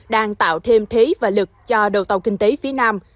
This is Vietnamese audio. đang tạo thêm thế và lực cho đầu tàu kinh tế phía nam